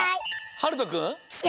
はるとくん。